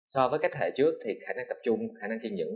so với các hệ trước thì khả năng tập trung khả năng kiên nhẫn